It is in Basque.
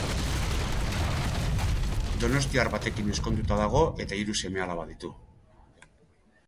Donostiar batekin ezkonduta dago eta hiru seme-alaba ditu.